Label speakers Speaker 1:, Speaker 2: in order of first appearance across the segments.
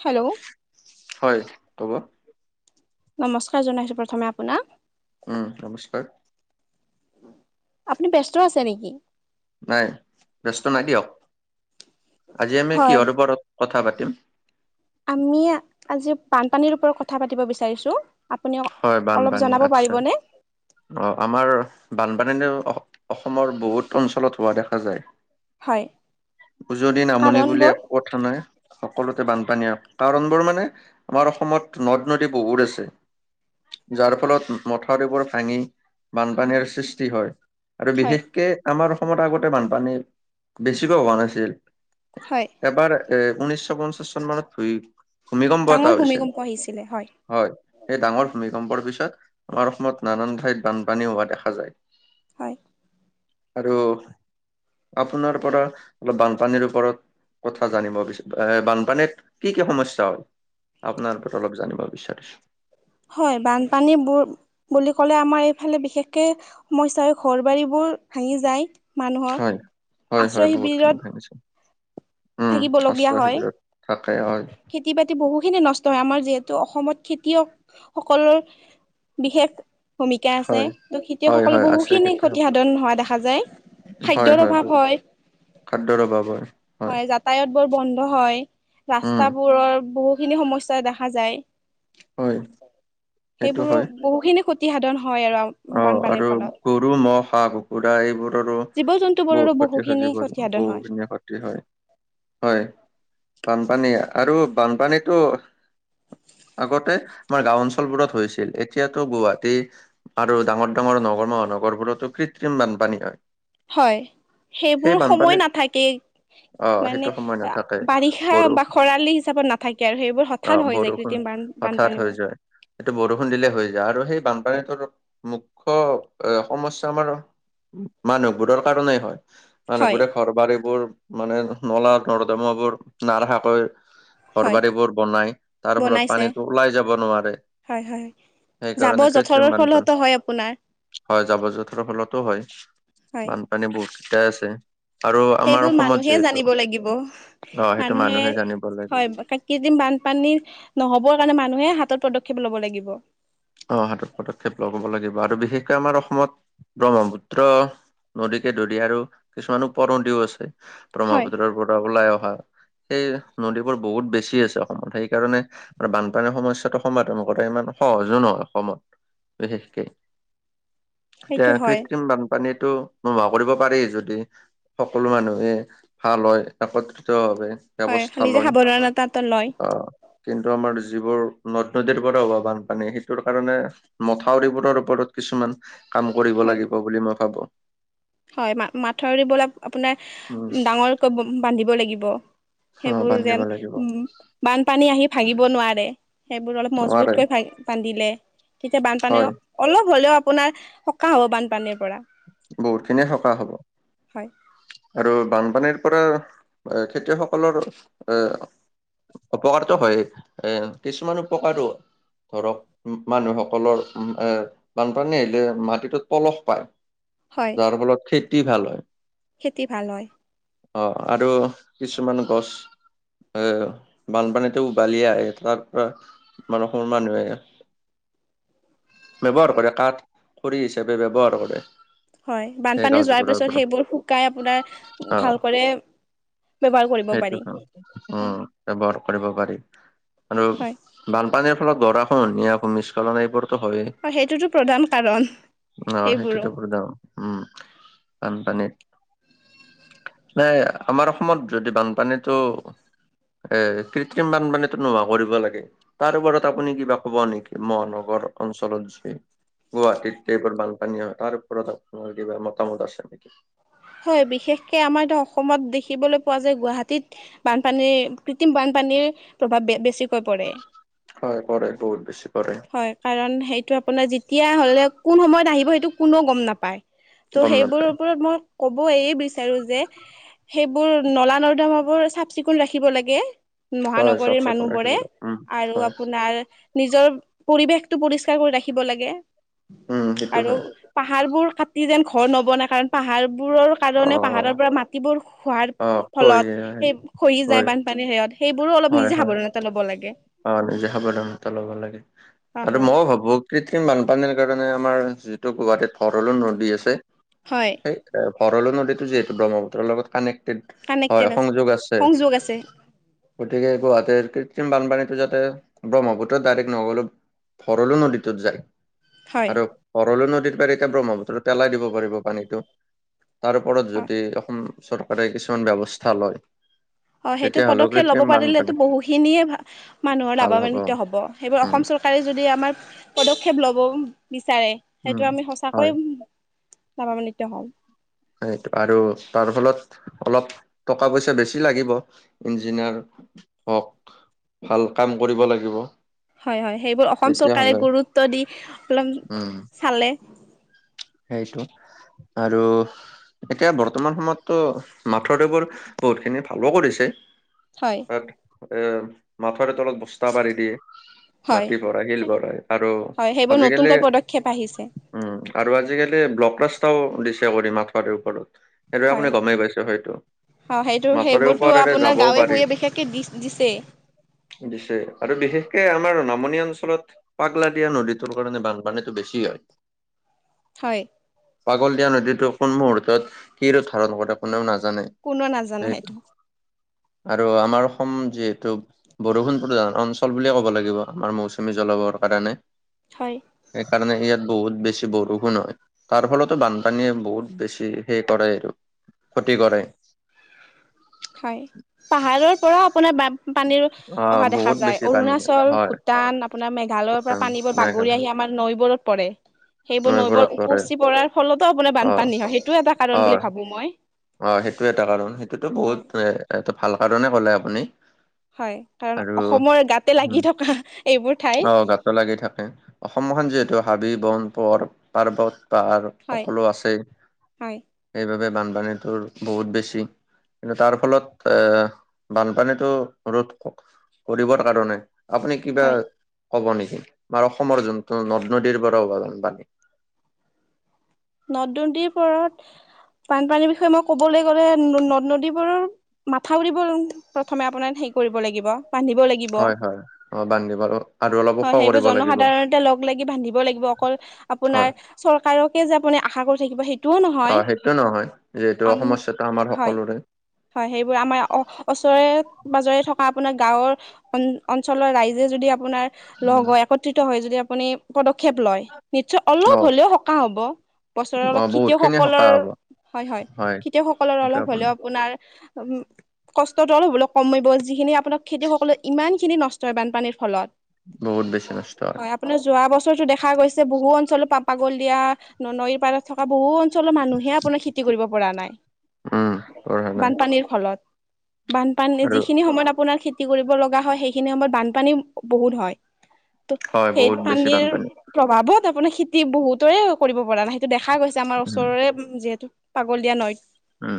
Speaker 1: Hello,
Speaker 2: [inaudible]
Speaker 1: নমস্কাৰ জনাইছো প্ৰথমে আপোনাক
Speaker 2: উম, নমস্কাৰ
Speaker 1: আপুনি ব্যস্ত আছে নেকি?
Speaker 2: নাই, ব্যস্ত নাই দিয়ক আজি আমি
Speaker 1: হয়,
Speaker 2: কিহৰ ওপৰত কথা পাতিম
Speaker 1: আমি আজি প পানীৰ ওপৰত কথা পাতি বিচাৰিছোঁ। আপুনি
Speaker 2: হয়,
Speaker 1: অলপ
Speaker 2: বানপানী
Speaker 1: জনাব
Speaker 2: আচ্ছা
Speaker 1: পাৰিবনে
Speaker 2: অ, আমাৰ বানপানী অঁ অসমৰ বহুত অঞ্চলত হোৱা দেখা যায়।
Speaker 1: হয়
Speaker 2: উজদি নামনি বুলি
Speaker 1: কাৰণবোৰ
Speaker 2: একো কথা নাই। সকলোতে বানপানীয়ে। কাৰণবোৰ মানে আমাৰ অসমত নদ -নদী বহুত আছে। যাৰ ফলত মথাউৰি এইবোৰ ভাঙি বানপানীৰ সৃষ্টি হয়। আৰু
Speaker 1: হয়
Speaker 2: বিশেষকে আমাৰ অসমত আগতে বানপানী বেছিকৈ হোৱা নাছিল।
Speaker 1: হয়
Speaker 2: এবাৰ উঊনৈছশ পঞ্চাছ চন ফিৰিত ভূমিকম্প এটা
Speaker 1: ডাঙৰ
Speaker 2: হৈছিল
Speaker 1: ভূমিকম্প আহিছিলে
Speaker 2: হয়। সেই ডাঙৰ ভূমিকম্পৰ পিছত আমাৰ অসমত নানান ঠাইত বানপানী হোৱা দেখা যায়।
Speaker 1: হয়।
Speaker 2: আৰু আপোনাৰ পৰা অলপ বানপানীৰ ওপৰত- কথা জানিব বিচ এ বানপানীত কি কি সমস্যা হ'ল? আপোনাৰ পৰা অলপ জানিব বিচাৰিছোঁ।
Speaker 1: হয় বানপানীবোৰ বুলি ক'লে আমাৰ এইফালে বিশেষকে সমস্যা হয়। ঘৰ বাৰী বোৰ ভাঙি যায় মানুহৰ
Speaker 2: হয়, হয়, হয়,
Speaker 1: আশ্ৰয়
Speaker 2: বহুতখিনি
Speaker 1: শিবিৰত-
Speaker 2: ভাঙিছে। উম,
Speaker 1: থাকিব লগীয়া
Speaker 2: আশ্ৰয়
Speaker 1: হয়,
Speaker 2: শিবিৰত থাকে হয়,
Speaker 1: খেতি বাতি বহুখিনি নষ্ট হয়। আমাৰ যিহেতু অসমত খেতিয়ক সকলৰ বিশেষ- ভূমিকা আছে।
Speaker 2: হয়।
Speaker 1: ত
Speaker 2: হয়,
Speaker 1: খেতিয়কসকললে
Speaker 2: হয়, আছে
Speaker 1: বহুখিনি ক্ষতি
Speaker 2: খেতিয়ক
Speaker 1: সাধন হোৱা দেখা যায়।
Speaker 2: হয়,
Speaker 1: খাদ্যৰ অভাৱ
Speaker 2: বহুত
Speaker 1: হয়।
Speaker 2: খাদ্যৰ অভাৱ হয়,
Speaker 1: হয় যাতায়ত বৰ বন্ধ হয়,
Speaker 2: উম,
Speaker 1: ৰাস্তাবোৰৰ বহুখিনি সমস্যা দেখা যায়,
Speaker 2: হয়। সেইটো
Speaker 1: সেইবোৰ
Speaker 2: হয়,
Speaker 1: বহুখিনি খতি
Speaker 2: অ আৰু গৰু-ম'হ, হাঁহ -কুকুৰা এইবোৰৰো
Speaker 1: জীৱ জন্তু বোৰৰো
Speaker 2: বহুত
Speaker 1: বহুখিনি
Speaker 2: ক্ষতি স
Speaker 1: ক্ষতিসাধন হয়।
Speaker 2: বহুখিনি ক্ষতি হয়। হয় বানপানী আৰু বানপানীটো আগতে আমাৰ গাঁও অঞ্চলবোৰত হৈছিল এতিয়াতো গুৱাহাটী- আৰু ডাঙৰ- ডাঙৰ নগৰ-মহানগৰবোৰতো কৃত্ৰিম বানপানী হয়।
Speaker 1: হয়,
Speaker 2: সেই
Speaker 1: সেইবোৰ সময়
Speaker 2: বানপানীত
Speaker 1: নাথাকে
Speaker 2: অ সেইটো
Speaker 1: মানে
Speaker 2: সময় নাথাকে
Speaker 1: বাৰিষা
Speaker 2: বৰষু
Speaker 1: বা খৰালি হিচাপত নাথাকে আৰু সেইবোৰ
Speaker 2: অ
Speaker 1: হঠাৎ হৈ যায় কৃত্ৰিম বান-বানপানী মই।
Speaker 2: সেইটো বৰষুণ দিলে হৈ যায় আৰু সেই বান ৰ মুখ্য এ সমস্যা আমাৰ মানুহবোৰৰ কাৰণেই হয়।
Speaker 1: হয়
Speaker 2: মানুহবোৰে ঘৰ- বাৰী বোৰ মানে নলা-নৰ্দমাবোৰ নাৰখাকৈ? ঘৰ
Speaker 1: হয়
Speaker 2: বাৰীবোৰ বনাই তাৰ ফলত
Speaker 1: বনাইছে
Speaker 2: পানীটো ওলাই যাব নোৱাৰে
Speaker 1: হয় হয়
Speaker 2: সেই
Speaker 1: জাবৰ
Speaker 2: কাৰণে কৃত্ৰিম
Speaker 1: জোথৰৰ
Speaker 2: বানপানী
Speaker 1: ফলতো হয় আপোনাৰ
Speaker 2: হয়, জাবৰ- জোথৰ ফলতো হয়
Speaker 1: হয়।
Speaker 2: বানপানী বহুতকেইটাই আছে। আৰু আমাৰ
Speaker 1: সেইবোৰ
Speaker 2: অসমত
Speaker 1: মানুহে
Speaker 2: যিহেতু
Speaker 1: জানিব লাগিব
Speaker 2: অ সেইটো
Speaker 1: মানুহে
Speaker 2: জানিব লাগিব
Speaker 1: হয় তাত কেইদিন বানপানী নহ'বৰ কাৰণে মানুহে হাতত পদক্ষেপ ল'ব লাগিব।
Speaker 2: অ' হাতত পদক্ষেপ লব লাগে বা আৰু বিশেষকে আমাৰ অসমত ব্ৰহ্মপুত্ৰ নদীকে ধৰি আৰু কিছুমানো উপনদীও আছে
Speaker 1: হয়
Speaker 2: ব্ৰহ্মপুত্ৰৰ পৰা ওলাই অহা সেই নদীবোৰ বহুত বেছি আছে অসমত, সেইকাৰণে আৰু বানপানীৰ সমস্যাটো সমাধান কৰা ইমান সহজো নহয় অসমত বিশেষকে। এতিয়া
Speaker 1: সেইটো হয়
Speaker 2: কৃষ্টিম বানপানীত টো নোহোৱা কৰিব পাৰি যদি, সকলো মানুহে ভাল হয় একত্ৰিত
Speaker 1: হয়
Speaker 2: ব্যৱস্থা
Speaker 1: নিজে
Speaker 2: লয়
Speaker 1: সাৱধানতা এটা লয়
Speaker 2: আহ কিন্তু আমাৰ যিবোৰ নদ-নদীৰ পৰা হোৱা বানপানী তোৰ কাৰণে মথাউৰিবোৰৰ ওপৰত কিছুমান কাম কৰিব
Speaker 1: হয়
Speaker 2: লাগিব বুলি মই ভাবো।
Speaker 1: হয় মা-মাথাউৰিবোৰক আপোনাৰ
Speaker 2: উম
Speaker 1: ডাঙৰকৈ বান্ধিব লাগিব।
Speaker 2: অ
Speaker 1: সেইবোৰ যেন
Speaker 2: বান্ধিব লাগিব
Speaker 1: উ বানপানী আহি ভাঙিব নোৱাৰে সেইবোৰ অলপ মজবুত
Speaker 2: নোৱাৰে
Speaker 1: কৰি বান্ধিলে তেতিয়া বানপানী
Speaker 2: হয়
Speaker 1: অলপ হ'লেও। আপোনাৰ সকাহ হ'ব বানপানীৰ। পৰা
Speaker 2: বহুত খিনিয়ে সকাহ হ'ব
Speaker 1: হয়
Speaker 2: আৰু বানপানীৰ। পৰা খেতিয়কসকলৰ এ। অপকাৰটো হয়ে, কিছুমান উপকাৰো ধৰক মানুহসকলৰ এ বানপানী আহিলে মাটিটোত পলস পায়।
Speaker 1: হয়
Speaker 2: যাৰ ফলত খেতি ভাল হয়।
Speaker 1: খেতি ভাল হয়
Speaker 2: অ' আৰু কিছুমান গছ। আহ, বানপানীতো উভালি আহে তাৰ পৰা মান সমৰ মানুহে।
Speaker 1: [inaudible]
Speaker 2: ব্যৱহাৰ কৰে কাঠ খৰি হিচাপে ব্যৱহাৰ কৰে।
Speaker 1: হয়,
Speaker 2: সেই
Speaker 1: বানপানী যোৱাৰ
Speaker 2: গছবোৰৰ
Speaker 1: পিছত
Speaker 2: পৰা
Speaker 1: সেইবোৰ শুকাই আপোনাৰ
Speaker 2: অ
Speaker 1: ভালকৈ।
Speaker 2: সেইটো
Speaker 1: হয়
Speaker 2: উম, ব্যৱহাৰ কৰিব পাৰি। আৰু
Speaker 1: হয়
Speaker 2: বানপানীৰ ফলত গৰাখহনীয়া, ভূমিস্খলন এইবোৰ। হয়
Speaker 1: সেইটোতো প্ৰধান কাৰণ
Speaker 2: ন
Speaker 1: সেইবোৰো
Speaker 2: সেইটোটো প্ৰধান। উম, বানপানীত নাই আমাৰ অসমত যদি বানপানীতটো এ, কৃত্ৰিম বানপানীতো নোহোৱা কৰিব লাগে, তাৰ ওপৰত আপুনি কিবা ক'ব নেকি মহানগৰ। অঞ্চলত যি গুৱাহাটীত এইবোৰ বানপানী হয় তাৰ ওপৰত। তোমাৰ কিবা মতামত আছে নেকি।
Speaker 1: হয়, বিশেষকে আমাৰ এতিয়া অসমত দেখিবলৈ পোৱা যে গুৱাহাটীত বানপানীৰ কৃত্ৰিম বানপানীৰ প্ৰভাৱ বেছিকৈ পৰে।
Speaker 2: হয়, পৰে বহুত। বেছি কৰে
Speaker 1: হয় কাৰণ সেইটো আপোনাৰ যেতিয়া হ'লে কোন সময়ত আহিব। টো কোননেও গ'ম নাপায় ত'
Speaker 2: গম
Speaker 1: সেইবোৰৰ
Speaker 2: নাপায়
Speaker 1: ওপৰত মই হ'ব এইে বিচাৰো যে সেইবোৰ নলা নৰ্দামাবোৰ চাফ চিকুণ ৰাখিব লাগে।
Speaker 2: হয় চাফ
Speaker 1: মহানগৰীৰ
Speaker 2: চিকুণ ৰাখিব
Speaker 1: মানুহবোৰে
Speaker 2: লাগে উম
Speaker 1: আৰু
Speaker 2: হয়
Speaker 1: আপোনাৰ নিজৰ। পৰিৱেশ টো পৰিষ্কাৰ কৰি ৰাখিব লাগে।
Speaker 2: উম সেইটো
Speaker 1: আৰু
Speaker 2: হয়
Speaker 1: পাহাৰবোৰ কাটি যেন ঘৰ নবনাই কাৰণ পাহাৰ। বোৰৰ
Speaker 2: অ
Speaker 1: কাৰণে পাহাৰৰ পৰা মাটিবোৰ খোৱাৰ
Speaker 2: অ হয়
Speaker 1: ফলত সেই খহি যায়
Speaker 2: হয়
Speaker 1: বানপানীৰ সেয়ত সেইবোৰো অলপ
Speaker 2: হয়
Speaker 1: নিজে
Speaker 2: হয়
Speaker 1: সাৱধানতা ল'ব লাগে।
Speaker 2: অ' নিজে সাৱধানতা ল'ব লাগে
Speaker 1: অ
Speaker 2: আৰু
Speaker 1: হয়
Speaker 2: মইও ভাবো কিট। কৃত্ৰিম বানপানীৰ কাৰণে আমাৰ যিটো গুৱাহাটীত। ভৰলো নদী আছে,
Speaker 1: হয়
Speaker 2: সেই ভৰলো নদীতো যিহেতু ব্ৰহ্মপুত্ৰৰ লগত কানেক্ট হয়
Speaker 1: কানেক্টেড
Speaker 2: সংযোগ আছে,
Speaker 1: সংযোগ আছে
Speaker 2: গতিকে গুৱাহাটীৰ কৃত্ৰিম বানপানীত। যাতে ব্ৰহ্মপুত্ৰত ডাইৰেক্ট নগলো ভৰলো নদীটোত যায়।
Speaker 1: হয়
Speaker 2: আৰু ভৰলো নদীৰ পাৰীতেয়া ব্ৰহ্মপুত্ৰত পেলাই দিব পাৰিব পানীটো। তাৰ ওপৰত
Speaker 1: হয়
Speaker 2: যদি অসম চৰকাৰে কিছুমান ব্যৱস্থা লয়।
Speaker 1: অ' সেইটো
Speaker 2: তেতিয়াহ'লেও
Speaker 1: পদক্ষেপ ল'ব
Speaker 2: কৃত্ৰিম
Speaker 1: পাৰিলেতো
Speaker 2: বানপানী
Speaker 1: বহুখিনিয়ে ভাল। মানুহৰ লাভানিত হ'ব। সেইবোৰ
Speaker 2: উম
Speaker 1: অসম চৰকাৰে যদি আমাৰ পদক্ষেপ ল'ব বিচাৰে।
Speaker 2: উম
Speaker 1: সেইটো আমি
Speaker 2: হয়
Speaker 1: সঁচাকৈয়ে লাভান্বিত হওঁ।
Speaker 2: সেইটো আৰু তাৰ ফলত অলপ টকা পইচা বেছি লাগিব ইঞ্জিনিয়াৰ। হওঁক ভাল কাম কৰিব লাগিব।
Speaker 1: হয়, হয়, সেইবোৰ অসম চৰকাৰে
Speaker 2: তেতিয়াহ'লে
Speaker 1: গুৰুত্ব দি অলপ
Speaker 2: উম
Speaker 1: চালে।
Speaker 2: সেইটো আৰু এতিয়া বৰ্তমান সময়ততো মাথদেবৰ বোৰ বহুত খিনি ভালো কৰিছে।
Speaker 1: হয়।
Speaker 2: তাত এ মাথাউৰি তলত বস্তা পাৰি দিয়ে।
Speaker 1: হয়
Speaker 2: মাটি ভৰাই, শিল ভৰাই আৰু আজিকালি
Speaker 1: পিছে।
Speaker 2: উম আৰু আজিকালি ব্লক ৰাস্তাও দিছে কৰি মাথাউৰৰ ওপৰত সেইদৰে আপুনি গমেই পাইছে হয়টো।
Speaker 1: অহ, সেইটো সেইবোৰতো আপোনাৰ গাঁৱে ভুঞে বিশেষকৈ দি দিছেই।
Speaker 2: দিছে আৰু বিশেষকে আমাৰ নামনি অঞ্চলত পাগলা দিয়া নদীটোৰ কাৰণে বানপানীটো বেছি হয়।
Speaker 1: হয়।
Speaker 2: পাগল দিয়া নদীতো কোন মুহূৰ্তত কি ৰূপ ধাৰণ কৰে কোনেও নাজানে।
Speaker 1: কোনেও নাজানে সেইটো।
Speaker 2: আৰু আমাৰ অসম যিহেতু বৰষুণ প্ৰধান অঞ্চল বুলিয়ে ক'ব লাগিব আমাৰ মৌচুমী জলবায়ুৰ। কাৰণে,
Speaker 1: হয়
Speaker 2: সেইকাৰণে ইয়াত বহুত বেছি বৰষুণ হয় তাৰফলতো বানপানীয়ে বহুত বেছি সেই কৰে আৰু। ক্ষতি কৰে।
Speaker 1: হয় পাহাৰৰ পৰা আপোনাৰ বা পানীৰ
Speaker 2: অ
Speaker 1: অহা দেখা
Speaker 2: বহুত
Speaker 1: যায়।
Speaker 2: বেছি পানী
Speaker 1: অৰুণাচল,
Speaker 2: হয়
Speaker 1: ভূটান, আপোনাৰ মেঘালয়ৰ, পৰা
Speaker 2: উত্তৰ
Speaker 1: পানীবোৰ বাগৰি
Speaker 2: মেঘালয়
Speaker 1: আহি আমাৰ নৈবোৰত পৰে সেইবোৰ নৈবোৰ
Speaker 2: নৈবোৰত পৰে
Speaker 1: উপচি পৰাৰ ফলতো আপোনাৰ
Speaker 2: অ
Speaker 1: বানপানী হয়, সেইটোও এটা কাৰণ বুলি ভাবোঁ মই।
Speaker 2: অহ, সেইটোও এটা কাৰণ। সেইটোতো
Speaker 1: হয়
Speaker 2: বহুত ভাল কাৰণেই ক'লে আপুনি।
Speaker 1: [inaudible] হয়। কাৰণ
Speaker 2: আৰু
Speaker 1: অসমৰ গাতে
Speaker 2: উম
Speaker 1: লাগি থকা এইবোৰ ঠাই।
Speaker 2: হাবি-বন পৰ পাৰ্বত-পাহাৰ
Speaker 1: হয়
Speaker 2: সকলো আছে
Speaker 1: হয়
Speaker 2: সেইবাবে। তোৰ বহুত বেছি। কিন্তু তাৰফলত এ বানপানীটো ৰোধ কৰিবৰ কাৰণে। আপুনি কিবা
Speaker 1: হয়
Speaker 2: ক'ব নেকি? আমাৰ অসমৰ যোনটো নদ-নদীৰ পৰা হোৱা বানপানী।
Speaker 1: নদ ঋ-নদী পৰত বানপানীৰ বিষয়ে মই ক'বলৈ গ'লে নদ-নদীবোৰত মাথাউৰিবোৰ প্ৰথমে আপোনাৰ হেৰি কৰিব লাগিব। বান্ধিব লাগিব
Speaker 2: হয়, হয়। অহ, বান্ধিব আৰু অলপ ওখ
Speaker 1: হয়। সেইবোৰ
Speaker 2: কৰিব লাগিব
Speaker 1: জনসাধাৰণতে লগ লাগি বান্ধিব লাগিব, অকল আপোনাৰ
Speaker 2: হয়
Speaker 1: চৰকাৰকে যে আপুনি আশা কৰি থাকিব সেইটোও
Speaker 2: অ
Speaker 1: নহয়।
Speaker 2: সেইটো নহয় যিহেতু
Speaker 1: আম।
Speaker 2: সমস্যাটো আমাৰ
Speaker 1: হয়,
Speaker 2: সকলোৰে
Speaker 1: হয়। সেইবোৰ আমাৰ ওচৰে পাজৰে থকা আপোনাৰ গাঁৱৰ অঞ্চলৰ ৰাইজে যদি আপোনাৰ লগ
Speaker 2: উম,
Speaker 1: হৈ একত্ৰিত হৈ যদি আপুনি পদক্ষেপ লয় নিশ্চয় অলপ
Speaker 2: অ
Speaker 1: হ'লেও সকাহ হ'ব। বছৰত
Speaker 2: অ
Speaker 1: অলপ
Speaker 2: বহুত খিনি
Speaker 1: খেতিয়কসকলৰ
Speaker 2: সকাহ হ'ব
Speaker 1: হয়, হয়। খেতিয়কসকলৰ
Speaker 2: সেইটো
Speaker 1: অলপ
Speaker 2: আপুনি
Speaker 1: হ'লেও আপোনাৰ উম, কষ্টটো হ'বলৈ কমিব, যিখিনি আপোনাৰ খেতিয়কসকলে ইমান খিনি নষ্ট হয় বানপানীৰ ফলত।
Speaker 2: বহুত বেছি নষ্ট
Speaker 1: হয় আপোনাৰ যোৱা বছৰটো দেখা গৈছে বহু অঞ্চলত পাপাগল দিয়া। নৈৰ পাৰত থকা বহু অঞ্চলৰ মানুহে আপোনাৰ খেতি কৰিব পৰা নাই।
Speaker 2: উম পঢ়া নাই
Speaker 1: বানপানীৰ ফলত। বানপানী
Speaker 2: আৰু
Speaker 1: যিখিনি সময়ত আপোনাৰ খেতি কৰিব লগা হয়, সেইখিনি সময়ত বানপানী বহুত হয়। ত'
Speaker 2: হয়
Speaker 1: সেই
Speaker 2: বহুত বেছি
Speaker 1: পানীৰ
Speaker 2: বানপানী
Speaker 1: প্ৰভাৱত আপোনাৰ খেতি বহুতৰে কৰিব পৰা নাই সেইটো দেখা দেখা গৈছে, আমাৰ
Speaker 2: উম
Speaker 1: ওচৰৰে যিহেতু পাগলদিয়া নৈত।
Speaker 2: উম,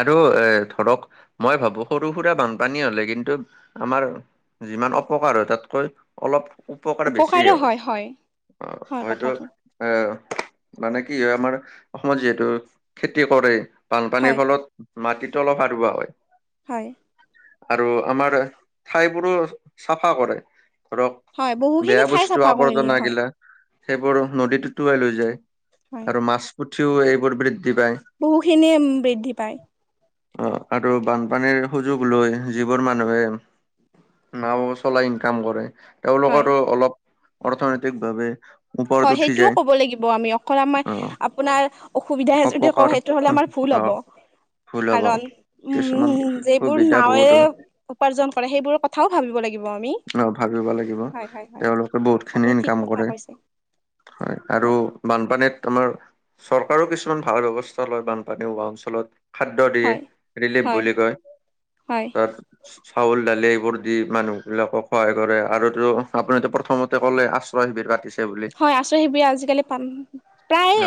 Speaker 2: আৰু এ ধৰক মই ভাবোঁ সৰু সুৰা বানপানী হ'লে কিন্তু আমাৰ যিমান অপকাৰ হয় তাতকৈ অলপ উপকাৰ বেছিয় হয়। অহ,
Speaker 1: হয়
Speaker 2: হয়তো
Speaker 1: কথাটো
Speaker 2: এ মানে কি হয় আমাৰ অসমত যিহেতু খেতি কৰে। বানপানীৰ
Speaker 1: হয়
Speaker 2: ফলত মাটিতো অলপ সাৰুৱা হয়।
Speaker 1: হয়
Speaker 2: আৰু আমাৰ ঠাইবোৰো চাফা কৰে। ধৰক
Speaker 1: হয় বহুখিনি
Speaker 2: বেয়া
Speaker 1: ঠাই
Speaker 2: বস্তু
Speaker 1: চাফা কৰি নিয়ে
Speaker 2: আৱৰ্জনা
Speaker 1: হয়
Speaker 2: গিলা। সেইবোৰ নদী উতুৱাই লৈ যায় আৰু মাছ পুঠিও এইবোৰ বৃদ্ধি পায়
Speaker 1: বহুখিনিয়ে বৃদ্ধি পায়।
Speaker 2: অহ, আৰু বানপানীৰ সুযোগ লৈ যিবোৰ মানুহে নাও চলাই ইনকাম কৰে,
Speaker 1: হয়
Speaker 2: তেওঁলোকৰো অলপ অৰ্থনৈতিক ভাৱে
Speaker 1: হয়, সেইটোও ক'ব লাগিব আমি অকল আমাৰ
Speaker 2: অ
Speaker 1: আপোনাৰ অসুবিধা সধে যদি কওঁ
Speaker 2: অপকাৰ
Speaker 1: সেইটো হ'লে আমাৰ ভুল
Speaker 2: অ
Speaker 1: হ'ব।
Speaker 2: ভুল হ'ব
Speaker 1: কাৰণ,
Speaker 2: কিছুমান
Speaker 1: উম, যিবোৰ
Speaker 2: সুবিধা
Speaker 1: নাৱে
Speaker 2: বহুত
Speaker 1: উপাৰ্জন কৰে সেইবোৰৰ কথাও ভাবিব লাগিব। লাগিব আমি।
Speaker 2: অ, ভাবিব লাগিব।
Speaker 1: হয় হয় হয়
Speaker 2: তেওঁলোকে বহুতখিনি
Speaker 1: আপুনি ঠিক
Speaker 2: ইনকাম
Speaker 1: কথা
Speaker 2: কৰে।
Speaker 1: [inaudible]
Speaker 2: হয় আৰু বানপানীত আমাৰ চৰকাৰো কিছু কিছুমান ভাল ব্যৱস্থা লয় বানপানীওোৱা অঞ্চলত। খাদ্য দিয়ে
Speaker 1: হয়
Speaker 2: ৰিলিফ
Speaker 1: হয়
Speaker 2: বুলি কয়,
Speaker 1: হয়
Speaker 2: [unintelligible] চাউল দালি এইবোৰ দি মানুহ বিলাকক সহায় কৰে আৰুটো আপুনিটো প্ৰথমতে ক'লে আশ্ৰয় শিবিৰ পাতিছে। বুলি
Speaker 1: হয়, আচৰি সব আজিকালি প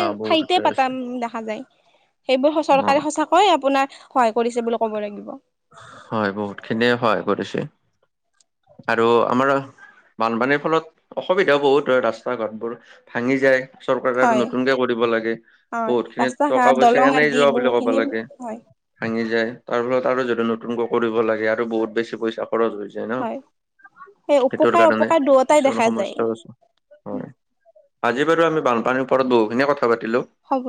Speaker 2: অ বহুত
Speaker 1: ঠাইতে পাতা
Speaker 2: আছে
Speaker 1: দেখা যায়। সেইবোৰ
Speaker 2: অ
Speaker 1: চৰকাৰে সচাকৈয়ে আপোনাৰ সহায় কৰিছে বুলি ক'ব লাগিব।
Speaker 2: হয়, বহুত খিনিয়ে সহায় ক
Speaker 1: [unintelligible]
Speaker 2: আৰু আমাৰ বানপানীৰ ফলত অসুবিধা বহুত হয় ৰাস্তা ঘাটবোৰ ভাঙি যায়, চৰকাৰে আৰু
Speaker 1: হয়
Speaker 2: নতুনকে কৰিব লাগে।
Speaker 1: হয়
Speaker 2: বহুত খিনিত
Speaker 1: ৰাস্তা ঘাট
Speaker 2: টকা পইচা
Speaker 1: দলং
Speaker 2: এনেই
Speaker 1: আদি
Speaker 2: যোৱা বুলি ক'ব
Speaker 1: বহুখিনি
Speaker 2: লাগে,
Speaker 1: হয়
Speaker 2: ভাঙি যায়। তাৰ ফলত আৰু যদি নতুনকৈ কৰিব লাগে আৰু বহুত বেছি পইচা খৰচ হৈ যায় ন'।
Speaker 1: হয় সেই
Speaker 2: সেইটোৰ
Speaker 1: উপকাৰ
Speaker 2: কাৰণে
Speaker 1: অপকাৰ দুয়োটাই
Speaker 2: কিছুমান
Speaker 1: দেখা যায়
Speaker 2: সমস্যাও আছে, হয়, আজি বাৰু আমি বানপানীৰ ওপৰত বহুখিনিয় কথা পাতিলোঁ
Speaker 1: হ'ব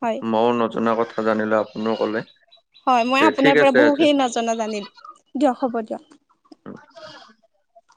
Speaker 1: হয়
Speaker 2: ময়ও নজনা কথা জানিলোঁ, আপুনিও কলে।
Speaker 1: হয়, মই
Speaker 2: তে ঠিক
Speaker 1: আপোনাৰ পৰা
Speaker 2: আছে আজি
Speaker 1: বহুতখিনি নজনা জানিলোঁ। দিয়ক হ'ব দিয়ক।
Speaker 2: [unintelligible]